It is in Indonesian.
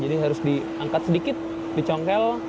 jadi harus diangkat sedikit dicongkel